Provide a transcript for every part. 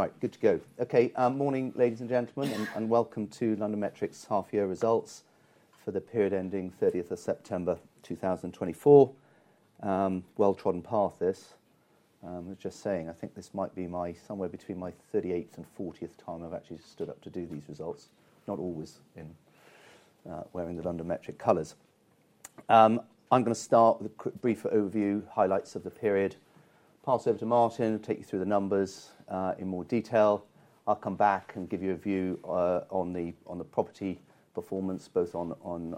Right, good to go. Okay, morning, ladies and gentlemen, and welcome to LondonMetric's half-year results for the period ending 30th of September, 2024, well trodden path this. I was just saying, I think this might be my somewhere between my 38th and 40th time I've actually stood up to do these results, not always in, wearing the LondonMetric colors. I'm gonna start with a quick brief overview, highlights of the period, pass over to Martin, take you through the numbers, in more detail. I'll come back and give you a view, on the property performance, both on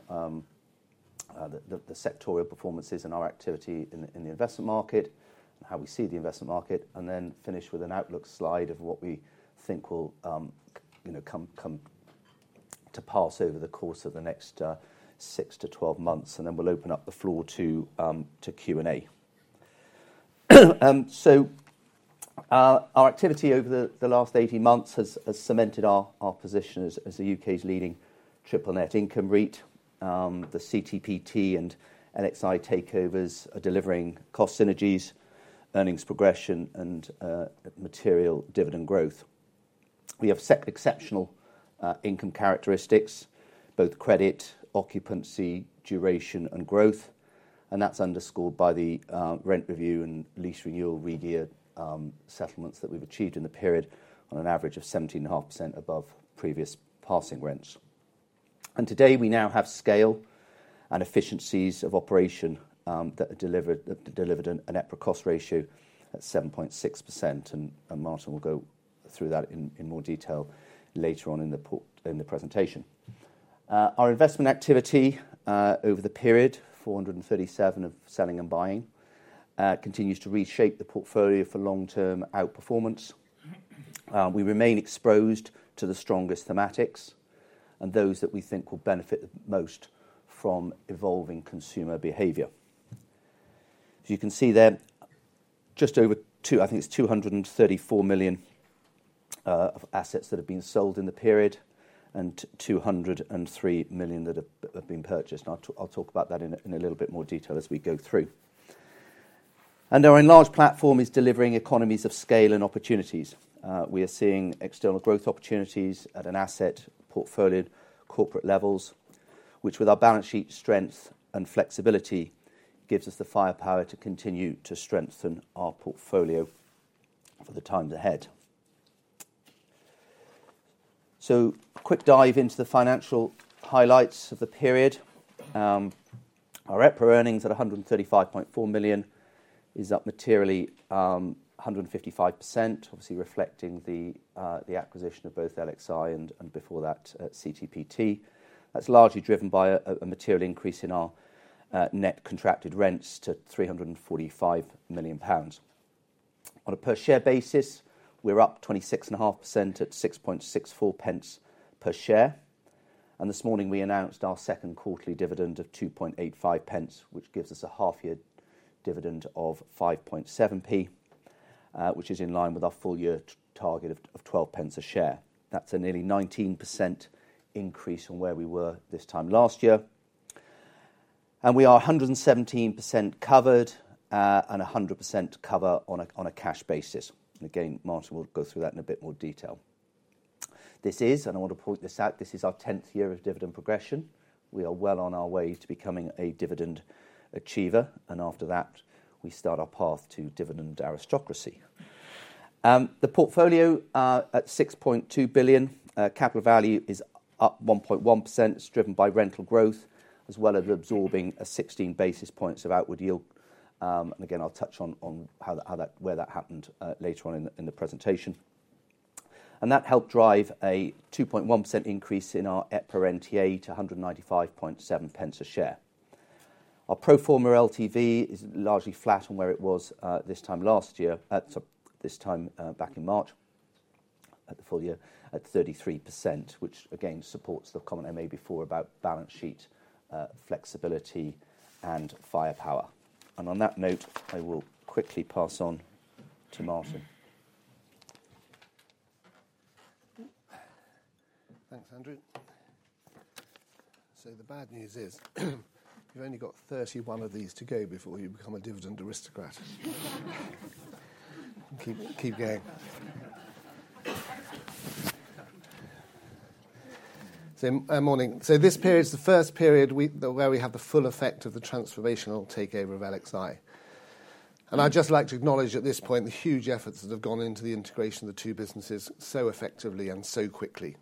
the sectoral performances and our activity in the investment market, how we see the investment market, and then finish with an outlook slide of what we think will, you know, come to pass over the course of the next, six to 12 months. We'll open up the floor to Q&A. Our activity over the last 18 months has cemented our position as the U.K's leading triple-net income REIT. The CTPT and LXI takeovers are delivering cost synergies, earnings progression, and material dividend growth. We have such exceptional income characteristics, both credit, occupancy, duration, and growth, and that's underscored by the rent review and lease renewal regear settlements that we've achieved in the period on an average of 17.5% above previous passing rents. Today we now have scale and efficiencies of operation that delivered an EPRA cost ratio at 7.6%. Martin will go through that in more detail later on in the presentation. Our investment activity over the period, 437 million of selling and buying, continues to reshape the portfolio for long-term outperformance. We remain exposed to the strongest thematics and those that we think will benefit the most from evolving consumer behavior. As you can see there, just over two, I think it's 234 million, of assets that have been sold in the period and 203 million that have been purchased. And I'll talk about that in a little bit more detail as we go through. And our enlarged platform is delivering economies of scale and opportunities. We are seeing external growth opportunities at an asset portfolio corporate levels, which, with our balance sheet strength and flexibility, gives us the firepower to continue to strengthen our portfolio for the times ahead. So, quick dive into the financial highlights of the period. Our EPRA earnings at 135.4 million is up materially, 155%, obviously reflecting the acquisition of both LXI and, before that, CTPT. That's largely driven by a material increase in our net contracted rents to 345 million pounds. On a per-share basis, we're up 26.5% at 6.64 pence per share. And this morning, we announced our second-quarterly dividend of 2.85 pence, which gives us a half-year dividend of 0.057, which is in line with our full-year target of 0.12 a share. That's a nearly 19% increase from where we were this time last year. And we are 117% covered, and 100% cover on a cash basis. And again, Martin will go through that in a bit more detail. And I want to point this out, this is our 10th year of dividend progression. We are well on our way to becoming a dividend achiever, and after that, we start our path to dividend aristocrat. The portfolio, at 6.2 billion, capital value is up 1.1%. It's driven by rental growth as well as absorbing 16 basis points of outward yield, and again, I'll touch on how that where that happened later on in the presentation. That helped drive a 2.1% increase in our EPRA NTA to 1.957 a share. Our pro forma LTV is largely flat on where it was this time last year, sorry, this time back in March at the full year, at 33%, which again supports the comment I made before about balance sheet flexibility and firepower. On that note, I will quickly pass on to Martin. Thanks, Andrew. The bad news is you've only got 31 of these to go before you become a dividend aristocrat. Keep, keep going. Morning. This period's the first period where we have the full effect of the transformational takeover of LXI. I'd just like to acknowledge at this point the huge efforts that have gone into the integration of the two businesses so effectively and so quickly.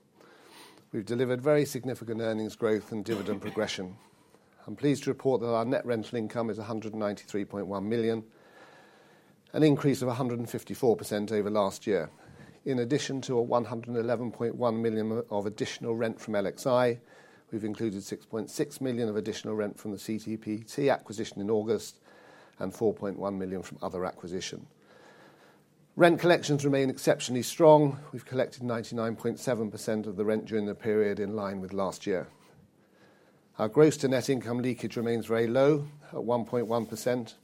We've delivered very significant earnings growth and dividend progression. I'm pleased to report that our net rental income is 193.1 million, an increase of 154% over last year. In addition to 111.1 million of additional rent from LXI, we've included 6.6 million of additional rent from the CTPT acquisition in August and 4.1 million from other acquisition. Rent collections remain exceptionally strong. We've collected 99.7% of the rent during the period in line with last year. Our gross-to-net income leakage remains very low at 1.1%.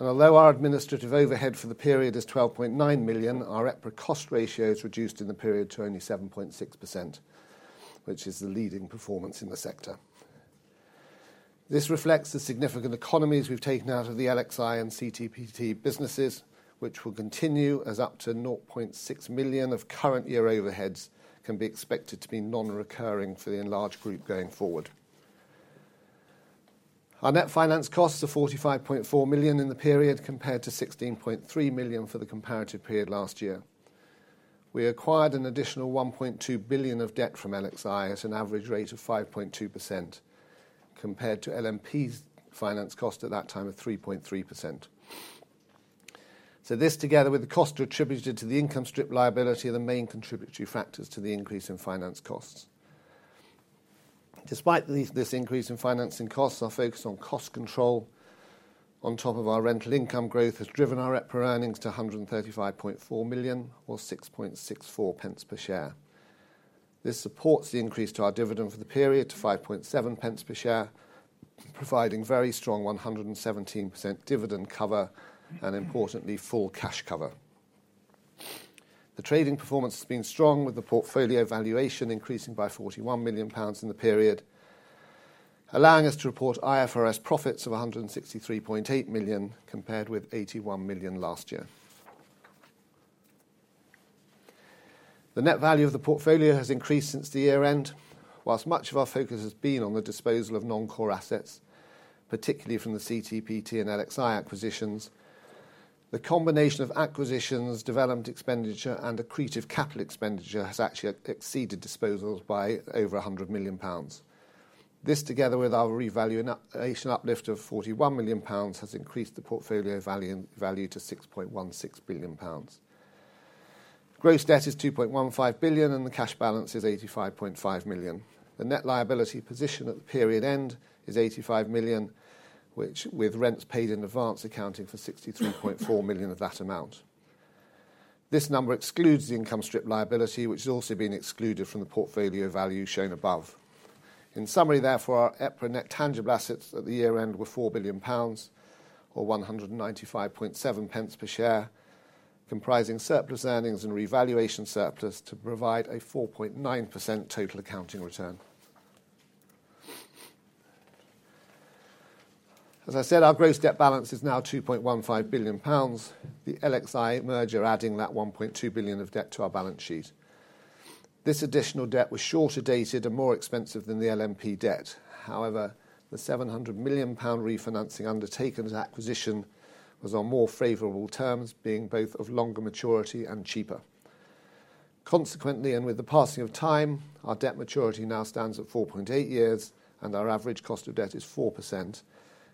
And although our administrative overhead for the period is 12.9 million, our EPRA cost ratio has reduced in the period to only 7.6%, which is the leading performance in the sector. This reflects the significant economies we've taken out of the LXI and CTPT businesses, which will continue as up to 0.6 million of current-year overheads can be expected to be non-recurring for the enlarged group going forward. Our net finance costs are 45.4 million in the period compared to 16.3 million for the comparative period last year. We acquired an additional 1.2 billion of debt from LXI at an average rate of 5.2% compared to LMP's finance cost at that time of 3.3%. So this, together with the costs attributed to the income strip liability, are the main contributory factors to the increase in finance costs. Despite these, this increase in financing costs, our focus on cost control on top of our rental income growth has driven our EPRA earnings to 135.4 million or 0.0664 per share. This supports the increase to our dividend for the period to 0.057 per share, providing very strong 117% dividend cover and, importantly, full cash cover. The trading performance has been strong, with the portfolio valuation increasing by GBP 41 million in the period, allowing us to report IFRS profits of GBP 163.8 million compared with GBP 81 million last year. The net value of the portfolio has increased since the year-end, while much of our focus has been on the disposal of non-core assets, particularly from the CTPT and LXI acquisitions. The combination of acquisitions, development expenditure, and accretive capital expenditure has actually exceeded disposals by over 100 million pounds. This, together with our revaluation uplift of 41 million pounds, has increased the portfolio value to 6.16 billion pounds. Gross debt is 2.15 billion, and the cash balance is 85.5 million. The net liability position at the period end is 85 million, which, with rents paid in advance, accounting for 63.4 million of that amount. This number excludes the income strip liability, which has also been excluded from the portfolio value shown above. In summary, therefore, our EPRA net tangible assets at the year-end were 4 billion pounds or 195.7 pence per share, comprising surplus earnings and revaluation surplus to provide a 4.9% total accounting return. As I said, our gross debt balance is now 2.15 billion pounds. The LXI merger, adding that 1.2 billion of debt to our balance sheet. This additional debt was shorter dated and more expensive than the LMP debt. However, the 700 million pound refinancing undertaken on acquisition was on more favorable terms, being both of longer maturity and cheaper. Consequently, and with the passing of time, our debt maturity now stands at 4.8 years, and our average cost of debt is 4%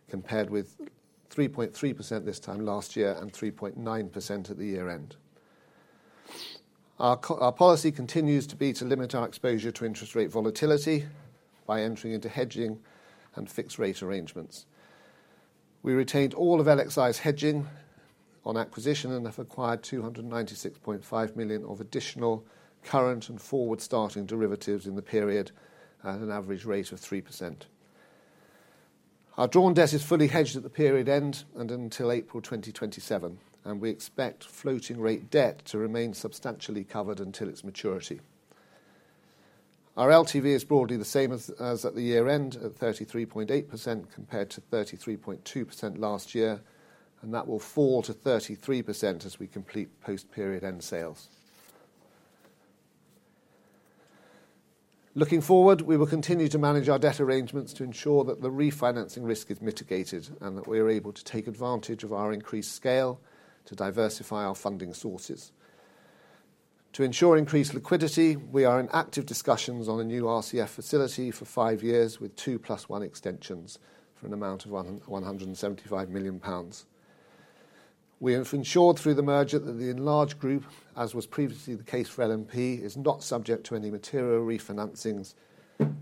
compared with 3.3% this time last year and 3.9% at the year-end. Our core policy continues to be to limit our exposure to interest rate volatility by entering into hedging and fixed-rate arrangements. We retained all of LXI's hedging on acquisition and have acquired 296.5 million of additional current and forward-starting derivatives in the period at an average rate of 3%. Our drawn debt is fully hedged at the period end and until April 2027, and we expect floating-rate debt to remain substantially covered until its maturity. Our LTV is broadly the same as at the year-end at 33.8% compared to 33.2% last year, and that will fall to 33% as we complete post-period end sales. Looking forward, we will continue to manage our debt arrangements to ensure that the refinancing risk is mitigated and that we are able to take advantage of our increased scale to diversify our funding sources. To ensure increased liquidity, we are in active discussions on a new RCF facility for five years with two plus one extensions for an amount of 175 million pounds. We have ensured through the merger that the enlarged group, as was previously the case for LMP, is not subject to any material refinancings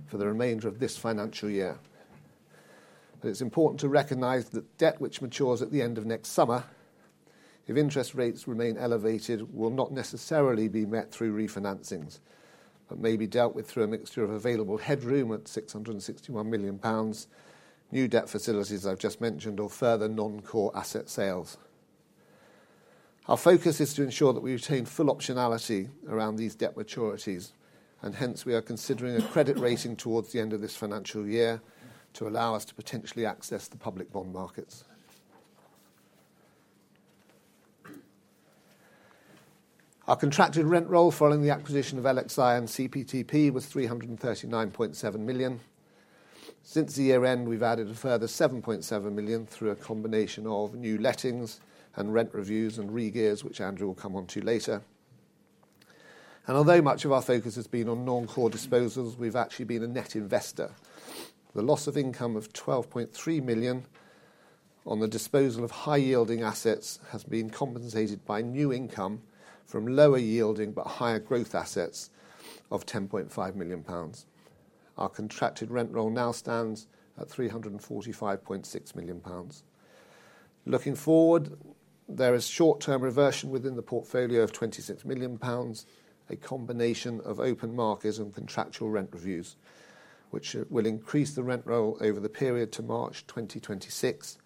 for the remainder of this financial year. But it's important to recognize that debt which matures at the end of next summer, if interest rates remain elevated, will not necessarily be met through refinancings but may be dealt with through a mixture of available headroom at 661 million pounds, new debt facilities I've just mentioned, or further non-core asset sales. Our focus is to ensure that we retain full optionality around these debt maturities, and hence, we are considering a credit rating towards the end of this financial year to allow us to potentially access the public bond markets. Our contracted rent roll following the acquisition of LXI and CTPT was 339.7 million. Since the year-end, we've added a further 7.7 million through a combination of new lettings and rent reviews and regears, which Andrew will come on to later. And although much of our focus has been on non-core disposals, we've actually been a net investor. The loss of income of 12.3 million on the disposal of high-yielding assets has been compensated by new income from lower-yielding but higher-growth assets of 10.5 million pounds. Our contracted rent roll now stands at 345.6 million pounds. Looking forward, there is short-term reversion within the portfolio of 26 million pounds, a combination of open markets and contractual rent reviews, which will increase the rent roll over the period to March 2026,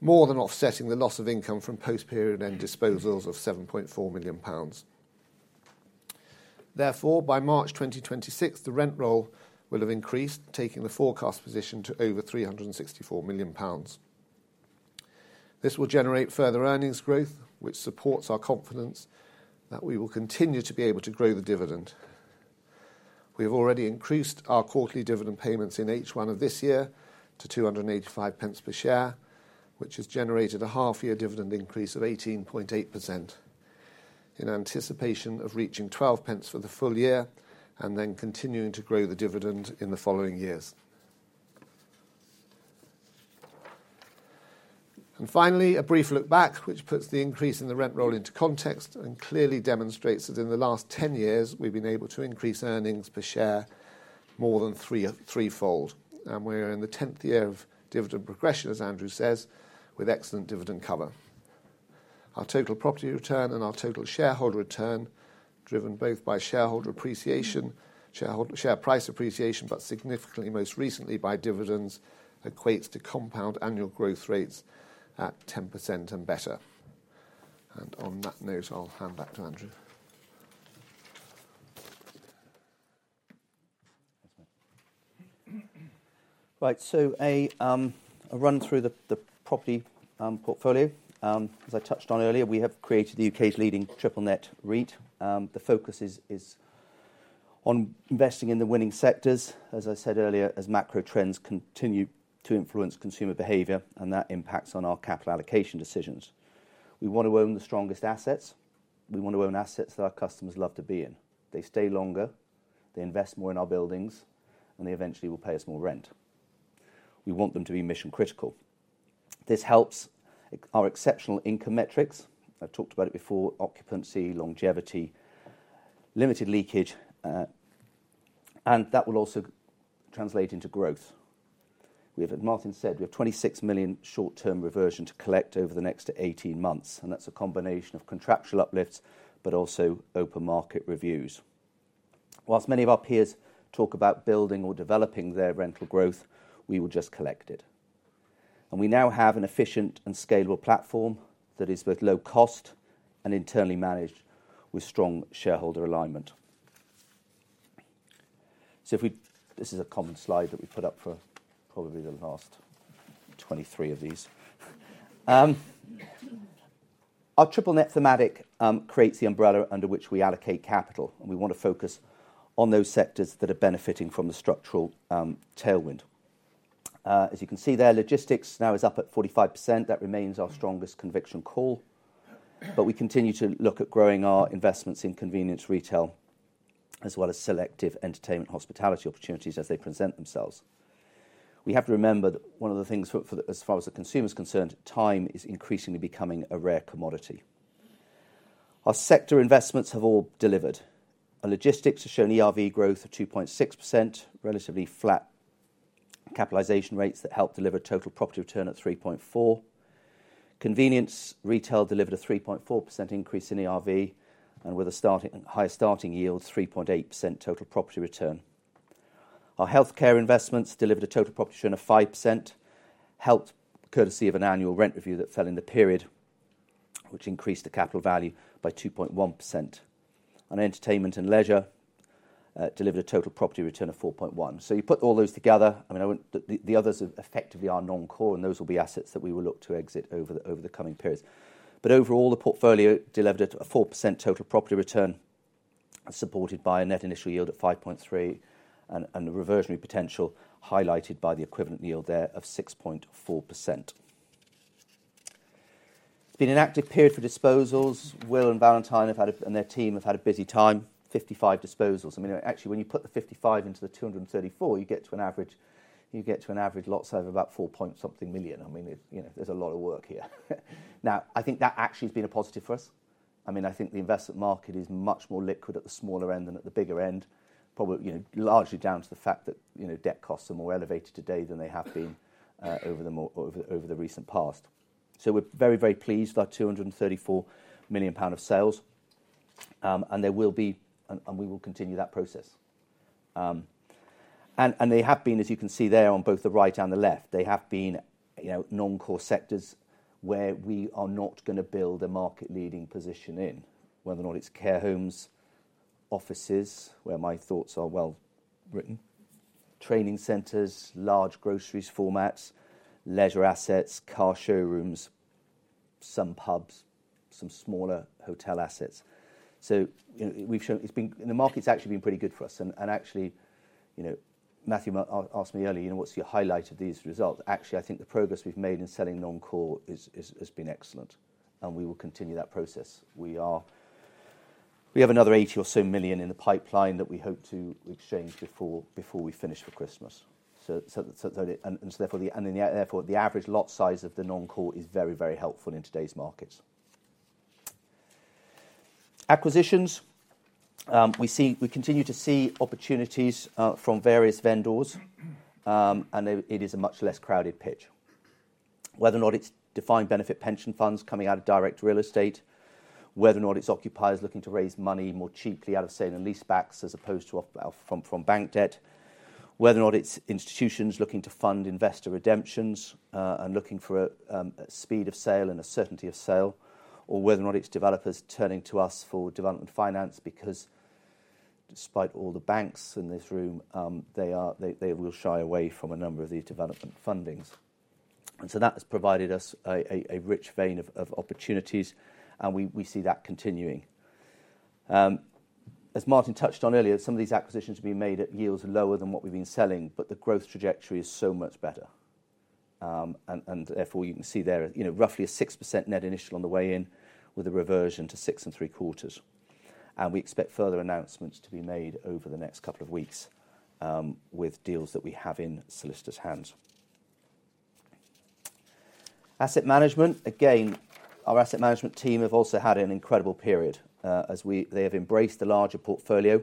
more than offsetting the loss of income from post-period end disposals of 7.4 million pounds. Therefore, by March 2026, the rent roll will have increased, taking the forecast position to over 364 million pounds. This will generate further earnings growth, which supports our confidence that we will continue to be able to grow the dividend. We have already increased our quarterly dividend payments in H1 of this year to 0.0285 per share, which has generated a half-year dividend increase of 18.8% in anticipation of reaching 0.12 for the full year and then continuing to grow the dividend in the following years, and finally, a brief look back, which puts the increase in the rent roll into context and clearly demonstrates that in the last 10 years, we've been able to increase earnings per share more than three-fold, and we're in the 10th year of dividend progression, as Andrew says, with excellent dividend cover. Our total property return and our total shareholder return, driven both by shareholder appreciation, shareholder share price appreciation, but significantly most recently by dividends, equates to compound annual growth rates at 10% and better, and on that note, I'll hand back to Andrew. Right. So, a run through the property portfolio. As I touched on earlier, we have created the U.K's leading triple net REIT. The focus is on investing in the winning sectors, as I said earlier, as macro trends continue to influence consumer behavior, and that impacts on our capital allocation decisions. We want to own the strongest assets. We want to own assets that our customers love to be in. They stay longer, they invest more in our buildings, and they eventually will pay us more rent. We want them to be mission-critical. This helps our exceptional income metrics. I've talked about it before: occupancy, longevity, limited leakage, and that will also translate into growth. We have, as Martin said, 26 million short-term reversion to collect over the next 18 months, and that's a combination of contractual uplifts but also open market reviews. While many of our peers talk about building or developing their rental growth, we will just collect it. And we now have an efficient and scalable platform that is both low-cost and internally managed with strong shareholder alignment. So, if we, this is a common slide that we put up for probably the last 23 of these. Our triple net thematic creates the umbrella under which we allocate capital, and we want to focus on those sectors that are benefiting from the structural tailwind. As you can see there, Logistics now is up at 45%. That remains our strongest conviction call, but we continue to look at growing our investments in convenience retail as well as selective entertainment hospitality opportunities as they present themselves. We have to remember that one of the things for as far as the consumer's concerned, time is increasingly becoming a rare commodity. Our sector investments have all delivered. Our Logistics have shown ERV growth of 2.6%, relatively flat capitalization rates that help deliver total property return at 3.4%. Convenience retail delivered a 3.4% increase in ERV and with a higher starting yield, 3.8% total property return. Our healthcare investments delivered a total property return of 5%, helped courtesy of an annual rent review that fell in the period, which increased the capital value by 2.1%, and Entertainment and Leisure delivered a total property return of 4.1%, so you put all those together. I mean, the others effectively are non-core, and those will be assets that we will look to exit over the coming periods, but overall, the portfolio delivered a 4% total property return, supported by a net initial yield at 5.3% and the reversionary potential highlighted by the equivalent yield there of 6.4%. It's been an active period for disposals. Will and Valentine have had a—and their team have had a busy time. 55 disposals. I mean, actually, when you put the 55 into the 234, you get to an average—you get to an average lot size of about 4 point something million. I mean, it's, you know, there's a lot of work here. Now, I think that actually has been a positive for us. I mean, I think the investment market is much more liquid at the smaller end than at the bigger end, probably, you know, largely down to the fact that, you know, debt costs are more elevated today than they have been, over the more—over the recent past. So we're very, very pleased with our 234 million pound of sales, and there will be—and we will continue that process. They have been, as you can see there on both the right and the left, you know, non-core sectors where we are not going to build a market-leading position in. Whether or not it's care homes, offices, warehousing, training centres, large grocery formats, leisure assets, car showrooms, some pubs, some smaller hotel assets. So, you know, we've shown it's been. The market's actually been pretty good for us. Actually, you know, Matthew asked me earlier, you know, what's your highlight of these results? Actually, I think the progress we've made in selling non-core has been excellent, and we will continue that process. We have another 80 million or so in the pipeline that we hope to exchange before we finish for Christmas. Therefore, the average lot size of the non-core is very, very helpful in today's markets. Acquisitions, we continue to see opportunities from various vendors, and it is a much less crowded pitch. Whether or not it's defined benefit pension funds coming out of direct real estate, whether or not it's occupiers looking to raise money more cheaply out of, say, lease backs as opposed to from bank debt, whether or not it's institutions looking to fund investor redemptions and looking for a speed of sale and a certainty of sale, or whether or not it's developers turning to us for development finance because despite all the banks in this room, they will shy away from a number of these development fundings. So that has provided us a rich vein of opportunities, and we see that continuing. As Martin touched on earlier, some of these acquisitions have been made at yields lower than what we've been selling, but the growth trajectory is so much better. Therefore you can see there, you know, roughly 6% net initial on the way in with a reversion to 6.75%. We expect further announcements to be made over the next couple of weeks, with deals that we have in solicitor's hands. Asset management, again, our asset management team have also had an incredible period, as they have embraced the larger portfolio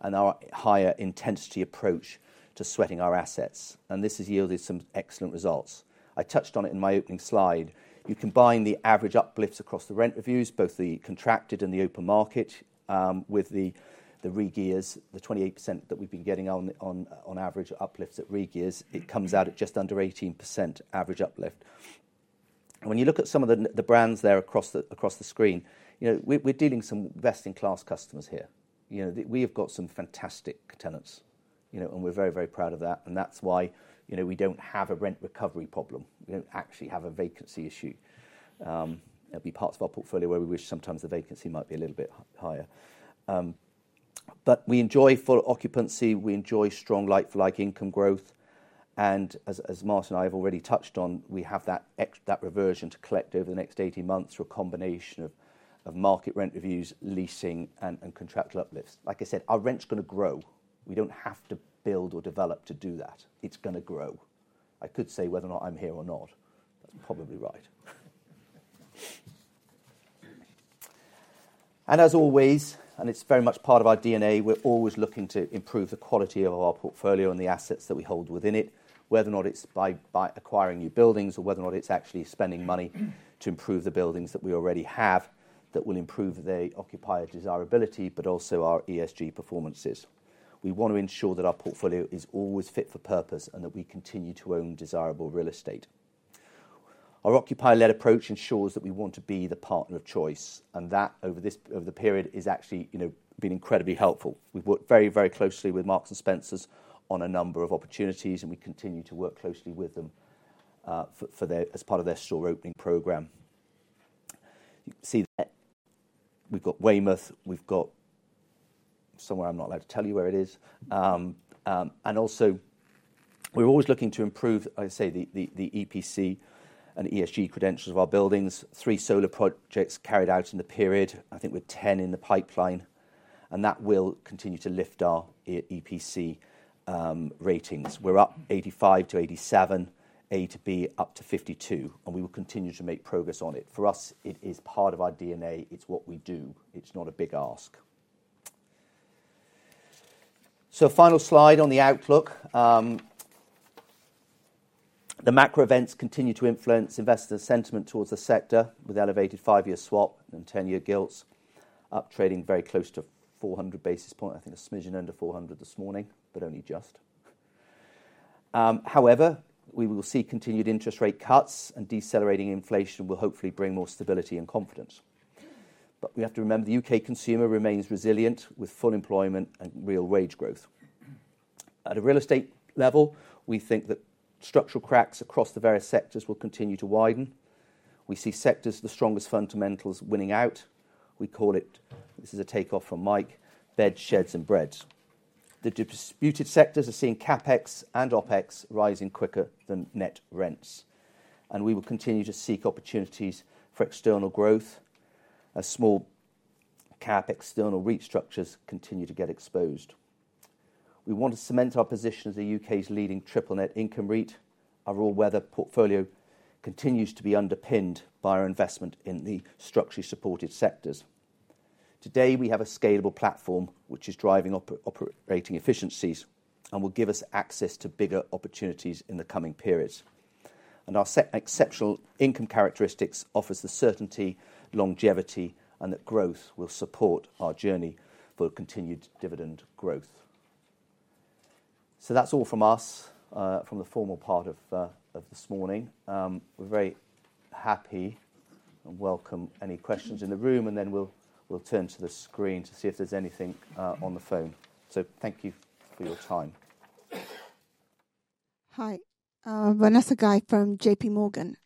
and our higher intensity approach to sweating our assets, and this has yielded some excellent results. I touched on it in my opening slide. You combine the average uplifts across the rent reviews, both the contracted and the open market, with the regears, the 28% that we've been getting on average uplifts at regears. It comes out at just under 18% average uplift. And when you look at some of the brands there across the screen, you know, we're dealing with some best-in-class customers here. You know, we have got some fantastic tenants, you know, and we're very proud of that. And that's why, you know, we don't have a rent recovery problem. We don't actually have a vacancy issue. There'll be parts of our portfolio where we wish sometimes the vacancy might be a little bit higher, but we enjoy full occupancy. We enjoy strong like-for-like income growth. And as Martin and I have already touched on, we have that reversion to collect over the next 18 months through a combination of market rent reviews, leasing, and contractual uplifts. Like I said, our rent's going to grow. We don't have to build or develop to do that. It's going to grow. I could say whether or not I'm here or not. That's probably right. And as always, it's very much part of our DNA. We're always looking to improve the quality of our portfolio and the assets that we hold within it, whether or not it's by acquiring new buildings or whether or not it's actually spending money to improve the buildings that we already have that will improve the occupier desirability but also our ESG performances. We want to ensure that our portfolio is always fit for purpose and that we continue to own desirable real estate. Our occupier-led approach ensures that we want to be the partner of choice, and that over this, over the period, has actually, you know, been incredibly helpful. We've worked very, very closely with Marks & Spencer on a number of opportunities, and we continue to work closely with them for their, as part of their store opening program. You can see that we've got Weymouth, we've got somewhere I'm not allowed to tell you where it is, and also we're always looking to improve the EPC and ESG credentials of our buildings. Three solar projects carried out in the period. I think we're 10 in the pipeline, and that will continue to lift our EPC ratings. We're up 85-87, A-B up to 52, and we will continue to make progress on it. For us, it is part of our DNA. It's what we do. It's not a big ask. So, final slide on the outlook. The macro events continue to influence investors' sentiment towards the sector with elevated five-year swap and 10-year gilts up trading very close to 400 basis points. I think a smidgen under 400 this morning, but only just. However, we will see continued interest rate cuts, and decelerating inflation will hopefully bring more stability and confidence. But we have to remember the U.K. consumer remains resilient with full employment and real wage growth. At a real estate level, we think that structural cracks across the various sectors will continue to widen. We see sectors with the strongest fundamentals winning out. We call it, this is a takeoff from Mike, beds, sheds, and breads. The disputed sectors are seeing CapEx and OpEx rising quicker than net rents, and we will continue to seek opportunities for external growth as small CapEx external REIT structures continue to get exposed. We want to cement our position as the U.K's leading triple net income REIT. Our all-weather portfolio continues to be underpinned by our investment in the structurally supported sectors. Today, we have a scalable platform which is driving operating efficiencies and will give us access to bigger opportunities in the coming periods. And our exceptional income characteristics offer the certainty, longevity, and that growth will support our journey for continued dividend growth. So that's all from us, from the formal part of this morning. We're very happy and welcome any questions in the room, and then we'll turn to the screen to see if there's anything on the phone. So thank you for your time. Hi, Vanessa Guy from JP Morgan.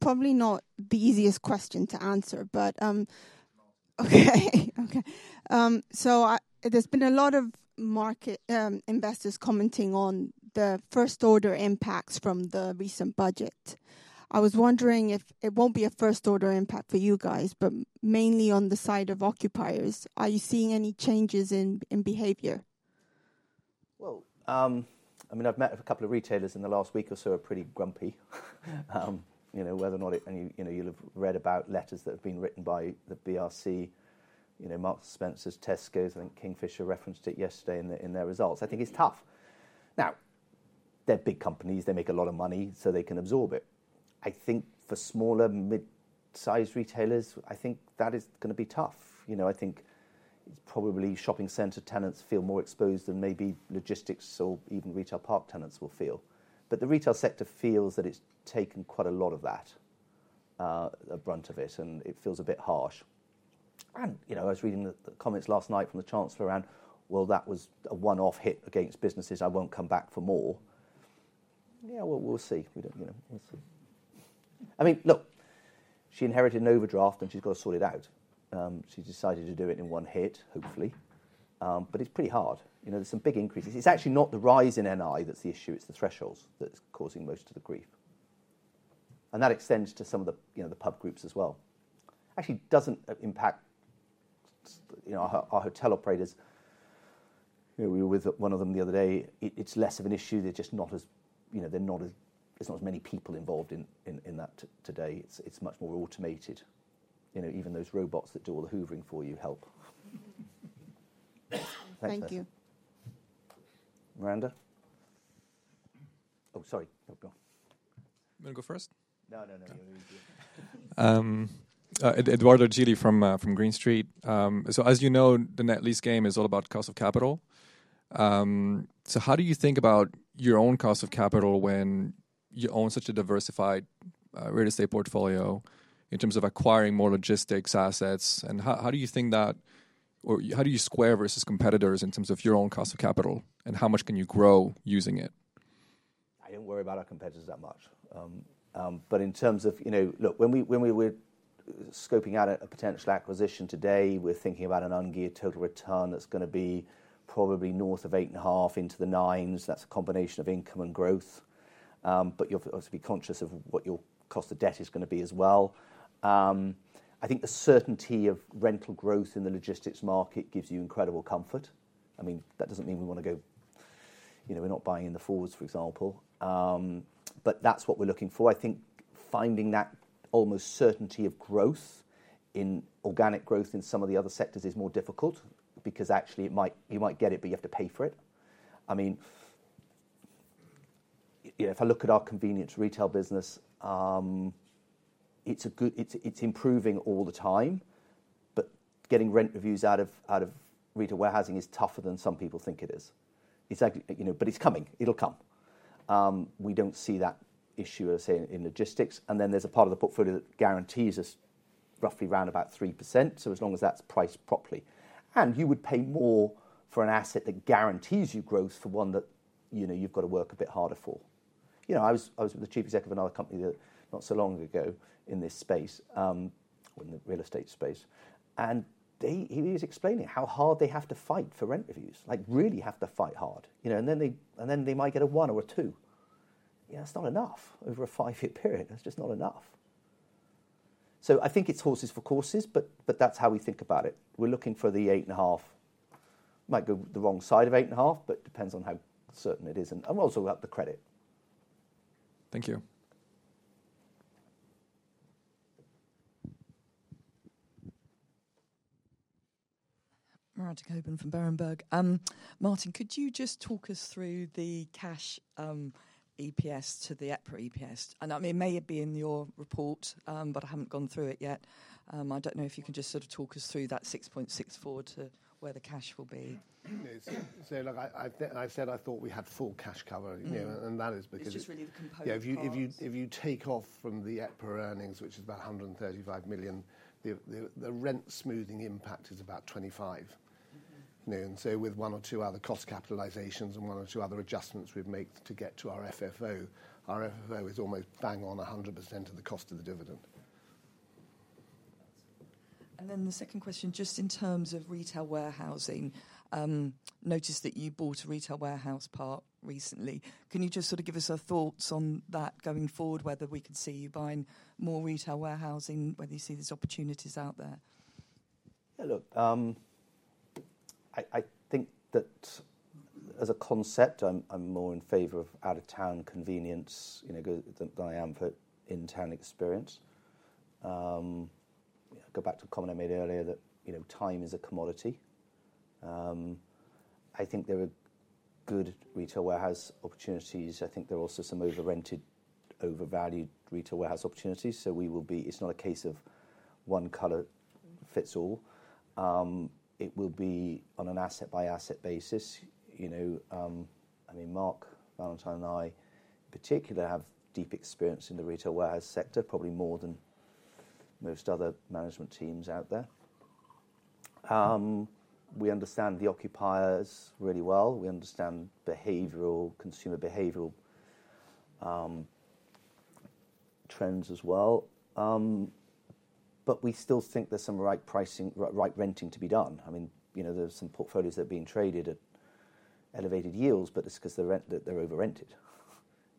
Probably not the easiest question to answer, but okay. So there's been a lot of market investors commenting on the first-order impacts from the recent budget. I was wondering if it won't be a first-order impact for you guys, but mainly on the side of occupiers. Are you seeing any changes in behavior? Well, I mean, I've met a couple of retailers in the last week or so who are pretty grumpy. You know, whether or not it, and you, you know, you'll have read about letters that have been written by the BRC, you know, Marks & Spencer, Tesco. I think Kingfisher referenced it yesterday in their results. I think it's tough. Now, they're big companies. They make a lot of money, so they can absorb it. I think for smaller, mid-sized retailers, I think that is going to be tough. You know, I think it's probably shopping center tenants feel more exposed than maybe Logistics or even retail park tenants will feel. But the retail sector feels that it's taken quite a lot of that, a brunt of it, and it feels a bit harsh. And, you know, I was reading the comments last night from the Chancellor around, well, that was a one-off hit against businesses. I won't come back for more. Yeah, well, we'll see. We don't, you know, we'll see. I mean, look. She inherited an overdraft, and she's got to sort it out. She's decided to do it in one hit, hopefully. But it's pretty hard. You know, there's some big increases. It's actually not the rise in NI that's the issue. It's the thresholds that's causing most of the grief. And that extends to some of the, you know, the pub groups as well. Actually, it doesn't impact, you know, our hotel operators. You know, we were with one of them the other day. It's less of an issue. They're just not as, you know, they're not as, there's not as many people involved in that today. It's much more automated. You know, even those robots that do all the hoovering for you help. Thank you. Miranda? Oh, sorry. No, go. You want to go first? No, no, no. You're the easiest. Edoardo Gili from Green Street. So as you know, the net lease game is all about cost of capital. So how do you think about your own cost of capital when you own such a diversified real estate portfolio in terms of acquiring more Logistics assets? And how do you think that, or how do you square versus competitors in terms of your own cost of capital, and how much can you grow using it? I don't worry about our competitors that much. But in terms of, you know, look, when we were scoping out a potential acquisition today, we're thinking about an ungeared total return that's going to be probably north of eight and a half into the nines. That's a combination of income and growth. But you'll obviously be conscious of what your cost of debt is going to be as well. I think the certainty of rental growth in the Logistics market gives you incredible comfort. I mean, that doesn't mean we want to go, you know, we're not buying in the forwards, for example. But that's what we're looking for. I think finding that almost certainty of growth in organic growth in some of the other sectors is more difficult because actually it might, you might get it, but you have to pay for it. I mean, you know, if I look at our convenience retail business, it's good, it's improving all the time, but getting rent reviews out of retail warehousing is tougher than some people think it is. It's actually, you know, but it's coming. It'll come. We don't see that issue, as I say, in Logistics. And then there's a part of the portfolio that guarantees us roughly round about 3%. As long as that's priced properly, and you would pay more for an asset that guarantees you growth for one that, you know, you've got to work a bit harder for. You know, I was with the chief executive of another company that not so long ago in this space, the real estate space, and he was explaining how hard they have to fight for rent reviews, like really have to fight hard, you know, and then they might get a one or a two. You know, that's not enough over a five-year period. That's just not enough. I think it's horses for courses, but that's how we think about it. We're looking for the eight and a half. Might go the wrong side of eight and a half, but depends on how certain it is, and we're also up the credit. Thank you. Miranda Cockburn from Berenberg. Martin, could you just talk us through the cash EPS to the EPRA EPS? And I mean, it may have been your report, but I haven't gone through it yet. I don't know if you can just sort of talk us through that 6.64 to where the cash will be. You know, so look, I've said I thought we had full cash coverage, you know, and that is because it's just really the component. Yeah. If you take off from the EPRA earnings, which is about 135 million, the rent smoothing impact is about 25, you know. And so with one or two other cost capitalizations and one or two other adjustments we've made to get to our FFO, our FFO is almost bang on 100% of the cover of the dividend. And then the second question, just in terms of retail warehousing, noticed that you bought a retail warehouse park recently. Can you just sort of give us your thoughts on that going forward, whether we could see you buying more retail warehousing, whether you see these opportunities out there? Yeah. Look, I, I think that as a concept, I'm, I'm more in favor of out-of-town convenience, you know, than I am for in-town experience. You know, go back to the comment I made earlier that, you know, time is a commodity. I think there are good retail warehouse opportunities. I think there are also some over-rented, overvalued retail warehouse opportunities. So we will be. It's not a case of one color fits all. It will be on an asset-by-asset basis, you know. I mean, Mark, Valentine and I in particular have deep experience in the retail warehouse sector, probably more than most other management teams out there. We understand the occupiers really well. We understand behavioral, consumer behavioral, trends as well. But we still think there's some right pricing, right renting to be done. I mean, you know, there's some portfolios that are being traded at elevated yields, but it's because they're rent, they're overrented.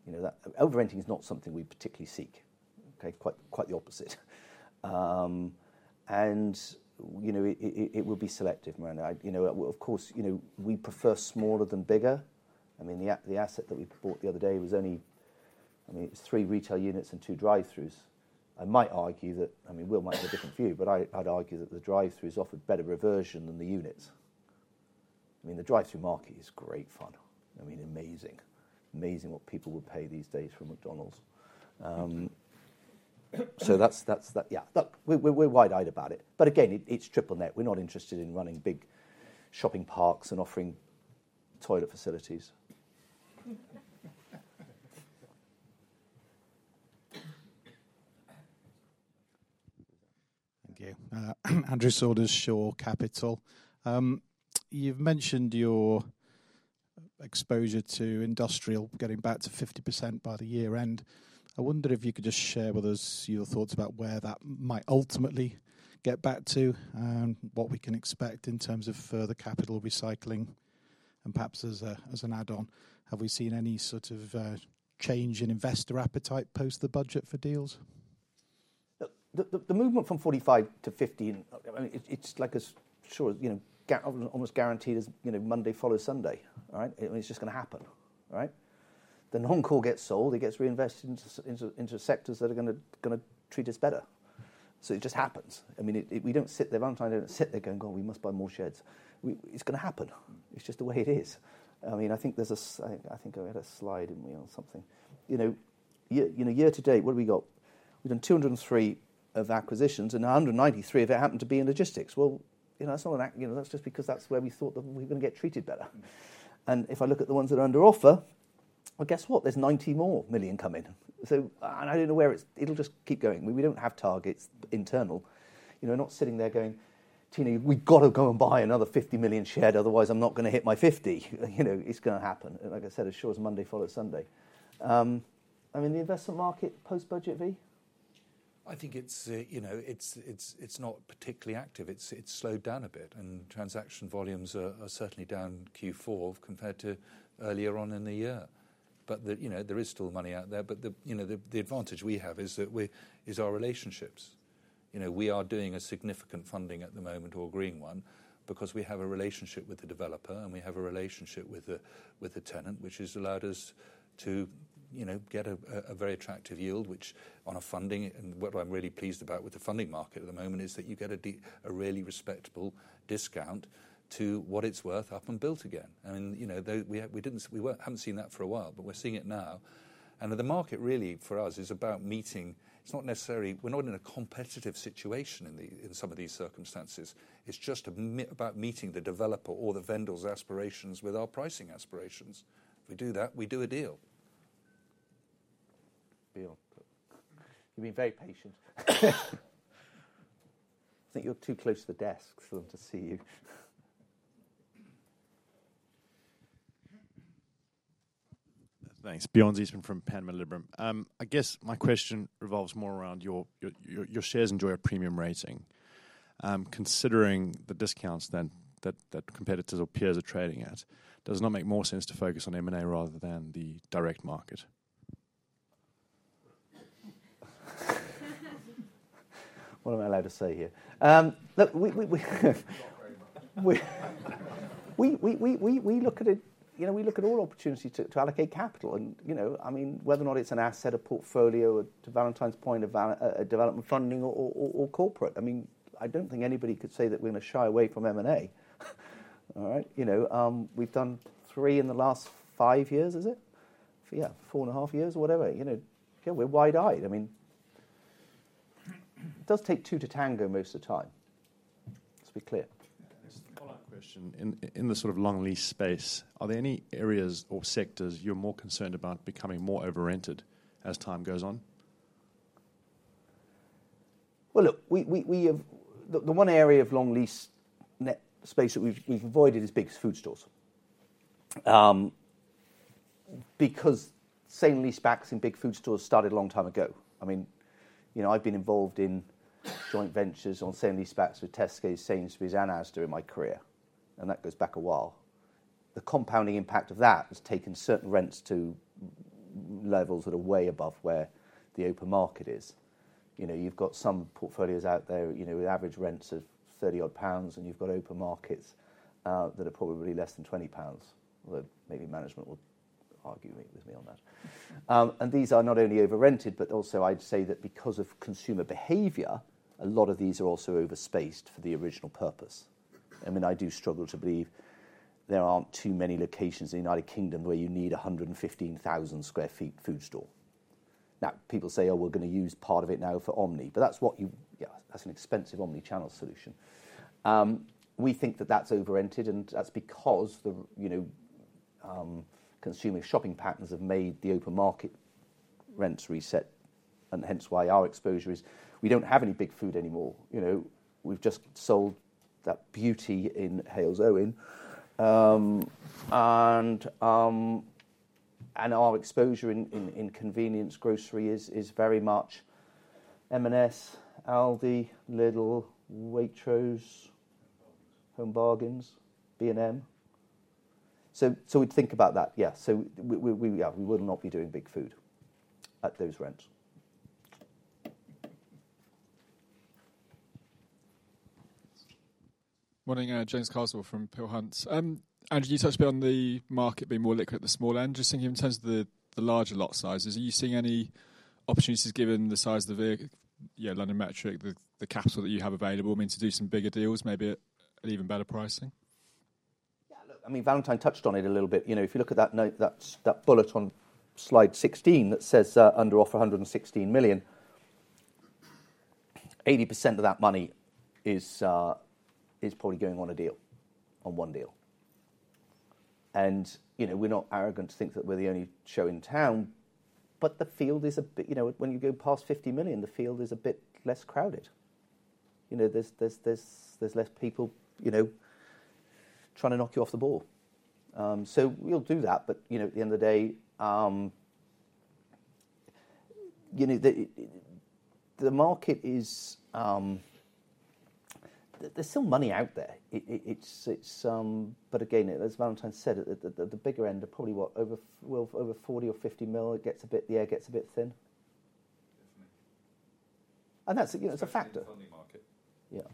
You know, that overrenting is not something we particularly seek. Okay. Quite, quite the opposite. And you know, it will be selective, Miranda. I, you know, of course, you know, we prefer smaller than bigger. I mean, the asset that we bought the other day was only, I mean, it's three retail units and two drive-throughs. I might argue that, I mean, we might have a different view, but I'd argue that the drive-throughs offered better reversion than the units. I mean, the drive-through market is great fun. I mean, amazing, amazing what people would pay these days for McDonald's. So that's that, yeah. Look, we're wide-eyed about it. But again, it's triple net. We're not interested in running big shopping parks and offering toilet facilities. Thank you. Andrew Saunders, Shore Capital. You've mentioned your exposure to industrial getting back to 50% by the year end. I wonder if you could just share with us your thoughts about where that might ultimately get back to and what we can expect in terms of further capital recycling and perhaps as a, as an add-on. Have we seen any sort of, change in investor appetite post the budget for deals? The movement from 45-50, I mean, it's like a sure, you know, almost guaranteed as, you know, Monday follow Sunday. All right. I mean, it's just going to happen. All right. The non-core gets sold, it gets reinvested into sectors that are going to treat us better. So it just happens. I mean, it, we don't sit there, Valentine, don't sit there going, "Oh, we must buy more sheds." It's going to happen. It's just the way it is. I mean, I think there's a, I think I had a slide, didn't we, on something, you know, year, you know, year-to-date, what have we got? We've done 203 million of acquisitions and 193 million of it happened to be in Logistics. Well, you know, that's not an act, you know, that's just because that's where we thought that we were going to get treated better. And if I look at the ones that are under offer, well, guess what? There's 90 million more coming. So, and I don't know where it's, it'll just keep going. We don't have targets internal, you know, not sitting there going, "Tina, we've got to go and buy another 50 million shed, otherwise I'm not going to hit my 50." You know, it's going to happen. Like I said, as sure as Monday followed Sunday. I mean, the investment market post-budget V? I think it's, you know, not particularly active. It's slowed down a bit and transaction volumes are certainly down Q4 compared to earlier on in the year. But, you know, there is still money out there, but, you know, the advantage we have is our relationships. You know, we are doing a significant funding at the moment, a green one, because we have a relationship with the developer and we have a relationship with the tenant, which has allowed us to, you know, get a very attractive yield, which on a funding, and what I'm really pleased about with the funding market at the moment is that you get a really respectable discount to what it's worth once built. I mean, you know, though we didn't, we weren't, haven't seen that for a while, but we're seeing it now. And the market really for us is about meeting. It's not necessarily, we're not in a competitive situation in the, in some of these circumstances. It's just about meeting the developer or the vendor's aspirations with our pricing aspirations. If we do that, we do a deal. You've been very patient. I think you're too close to the desk for them to see you. Thanks. Bjorn Zietsman from Panmure Liberum. I guess my question revolves more around your shares enjoy a premium rating, considering the discounts then that competitors or peers are trading at. Does it not make more sense to focus on M&A rather than the direct market? What am I allowed to say here? Look, we not very much. We look at it, you know, we look at all opportunities to allocate capital and, you know, I mean, whether or not it's an asset, a portfolio, or to Valentine's point, a development funding or corporate. I mean, I don't think anybody could say that we're going to shy away from M&A. All right. You know, we've done three in the last five years, is it? Yeah. Four and a half years or whatever. You know, yeah, we're wide-eyed. I mean, it does take two to tango most of the time. Let's be clear. Just a follow-up question. In the sort of long lease space, are there any areas or sectors you're more concerned about becoming more overrented as time goes on? Look, we have the one area of long lease net space that we've avoided is big food stores. Because sale-leasebacks in big food stores started a long time ago. I mean, you know, I've been involved in joint ventures on sale-leasebacks with Tesco's, Sainsbury's, and Asda in my career. And that goes back a while. The compounding impact of that has taken certain rents to levels that are way above where the open market is. You know, you've got some portfolios out there, you know, with average rents of 30-odd pounds, and you've got open markets that are probably less than 20 pounds. Maybe management will argue with me on that. And these are not only overrented, but also I'd say that because of consumer behavior, a lot of these are also overspaced for the original purpose. I mean, I do struggle to believe there aren't too many locations in the United Kingdom where you need 115,000 sq ft food store. Now people say, "Oh, we're going to use part of it now for Omni," but that's what you, yeah, that's an expensive omnichannel solution. We think that that's overrented and that's because the, you know, consumer shopping patterns have made the open market rents reset and hence why our exposure is, we don't have any big food anymore. You know, we've just sold that beauty in Halesowen, and our exposure in convenience grocery is very much M&S, Aldi, Lidl, Waitrose, Home Bargains, B&M. So we'd think about that. Yeah. So we, yeah, we would not be doing big food at those rents. Morning, James Carswell from Peel Hunt. Andrew, you touched a bit on the market being more liquid at the small end. Just thinking in terms of the larger lot sizes, are you seeing any opportunities given the size of the vehicle, yeah, LondonMetric, the capital that you have available, I mean, to do some bigger deals, maybe at an even better pricing? Yeah. Look, I mean, Valentine touched on it a little bit. You know, if you look at that note, that bullet on slide 16 that says, under offer 116 million, 80% of that money is probably going on a deal on one deal. And, you know, we're not arrogant to think that we're the only show in town, but the field is a bit, you know, when you go past 50 million, the field is a bit less crowded. You know, there's less people, you know, trying to knock you off the ball. So we'll do that, but you know, at the end of the day, you know, the market is, there's still money out there. It's, but again, as Valentine said, the bigger end are probably what, over, well, over 40 million or 50 million, it gets a bit, the air gets a bit thin. Definitely. And that's, you know, it's a factor. Funding market. Yeah. And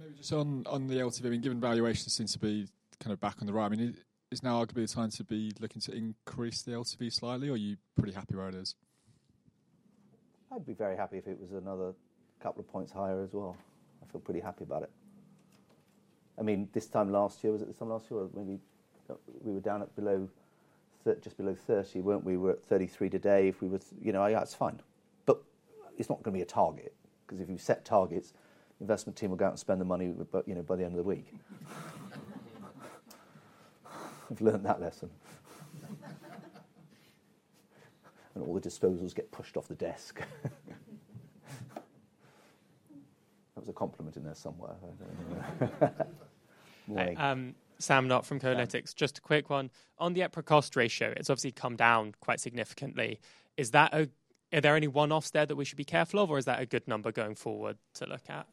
then maybe just on the LTV, I mean, given valuations seem to be kind of back on the rise, I mean, is now arguably the time to be looking to increase the LTV slightly or are you pretty happy where it is? I'd be very happy if it was another couple of points higher as well. I feel pretty happy about it. I mean, this time last year, was it this time last year or maybe we were down at below 30, just below 30, weren't we? We were at 33 today. If we were, you know, that's fine. But it's not going to be a target because if you set targets, the investment team will go out and spend the money, but you know, by the end of the week, I've learned that lesson. And all the disposals get pushed off the desk. That was a compliment in there somewhere. Sam Knott from Kolytics, just a quick one on the EPRA cost ratio. It's obviously come down quite significantly. Is that a, are there any one-offs there that we should be careful of or is that a good number going forward to look at?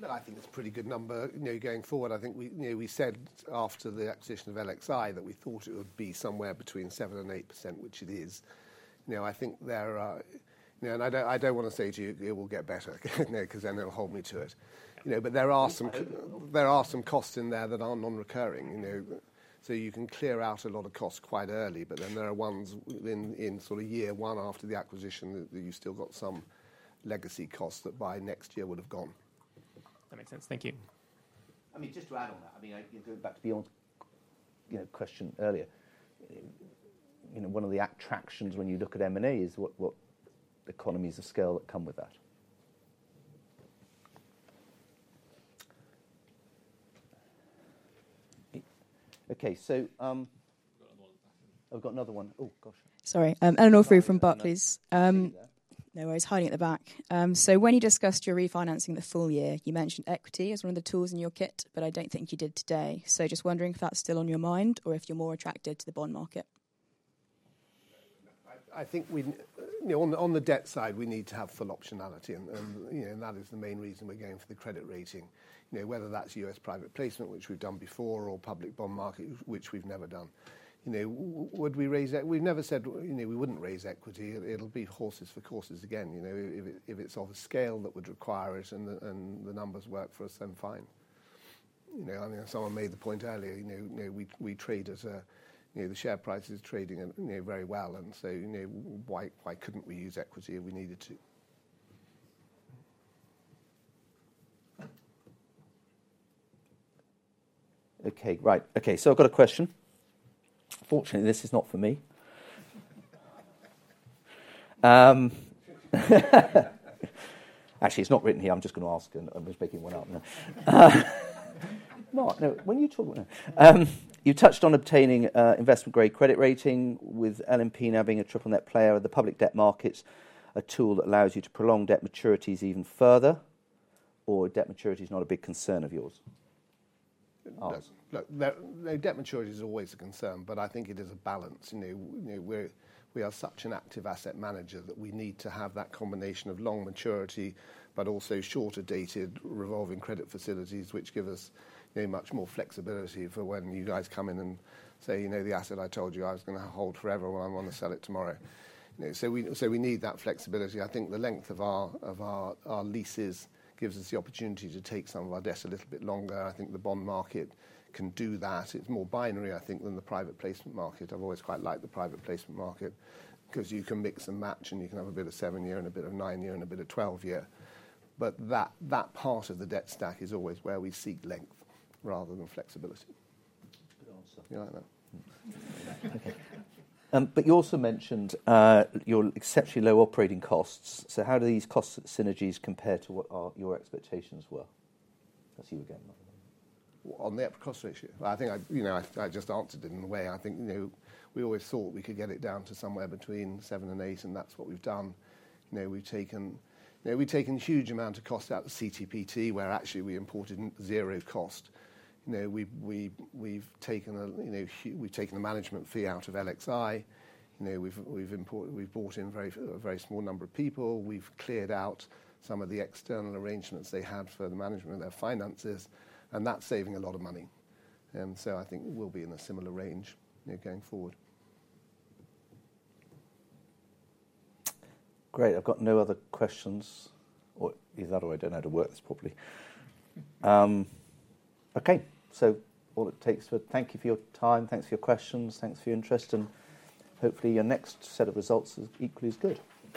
No, I think it's a pretty good number, you know, going forward. I think we, you know, we said after the acquisition of LXI that we thought it would be somewhere between seven and eight%, which it is. You know, I think there are, you know, and I don't, I don't want to say to you it will get better, you know, because then it'll hold me to it, you know, but there are some, there are some costs in there that aren't non-recurring, you know, so you can clear out a lot of costs quite early, but then there are ones in, in sort of year one after the acquisition that you've still got some legacy costs that by next year would have gone. That makes sense. Thank you. I mean, just to add on that, I mean, going back to Bjorn, you know, question earlier, you know, one of the attractions when you look at M&A is what economies of scale that come with that. Okay. So, we've got another one. Oh, gosh. Sorry. Eleanor Frew from Barclays. No worries. Hiding at the back. So when you discussed your refinancing the full year, you mentioned equity as one of the tools in your kit, but I don't think you did today. So just wondering if that's still on your mind or if you're more attracted to the bond market. I think we, you know, on the debt side, we need to have full optionality and, you know, that is the main reason we're going for the credit rating, you know, whether that's US private placement, which we've done before, or public bond market, which we've never done. You know, would we raise equity? We've never said, you know, we wouldn't raise equity. It'll be horses for courses again, you know, if it's of a scale that would require it and the numbers work for us, then fine. You know, I mean, someone made the point earlier, you know, you know, we trade as a, you know, the share price is trading and, you know, very well. And so, you know, why couldn't we use equity if we needed to? Okay. Right. Okay. So I've got a question. Fortunately, this is not for me. Actually, it's not written here. I'm just going to ask and I'm just making one up now. Mark, no, when you talk, you touched on obtaining an investment-grade credit rating with LMP now being a triple net player of the public debt markets, a tool that allows you to prolong debt maturities even further or debt maturity is not a big concern of yours? Look, debt maturity is always a concern, but I think it is a balance. You know, you know, we're, we are such an active asset manager that we need to have that combination of long maturity, but also shorter dated revolving credit facilities, which give us, you know, much more flexibility for when you guys come in and say, you know, the asset I told you I was going to hold forever when I want to sell it tomorrow. You know, so we need that flexibility. I think the length of our leases gives us the opportunity to take some of our debts a little bit longer. I think the bond market can do that. It's more binary, I think, than the private placement market. I've always quite liked the private placement market because you can mix and match and you can have a bit of seven-year and a bit of nine-year and a bit of 12-year. But that part of the debt stack is always where we seek length rather than flexibility. Good answer. You like that? Okay, but you also mentioned your exceptionally low operating costs. So how do these cost synergies compare to what are your expectations were? That's you again. On the EPRA cost ratio. I think, you know, I just answered it in a way. I think, you know, we always thought we could get it down to somewhere between seven and eight and that's what we've done. You know, we've taken, you know, we've taken a huge amount of cost out of CTPT where actually we imported zero cost. You know, we've taken a, you know, we've taken a management fee out of LXI. You know, we've imported, we've bought in a very small number of people. We've cleared out some of the external arrangements they had for the management of their finances and that's saving a lot of money. So I think we'll be in a similar range, you know, going forward. Great. I've got no other questions either or I don't know how to work this properly. Okay. Thank you for your time. Thanks for your questions. Thanks for your interest and hopefully your next set of results is equally as good.